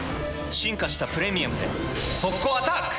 進化した「プレミアム」で速攻アタック！